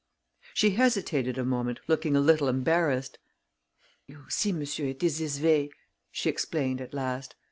She hesitated a moment, looking a little embarrassed. "You see, monsieur, it is this way," she explained, at last.